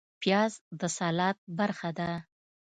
پیاز د سلاد برخه ده